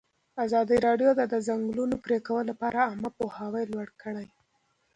ازادي راډیو د د ځنګلونو پرېکول لپاره عامه پوهاوي لوړ کړی.